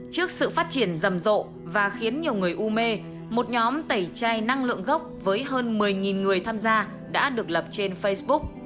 trước sự phát triển rầm rộ và khiến nhiều người u mê một nhóm tẩy chai năng lượng gốc với hơn một mươi người tham gia đã được lập trên facebook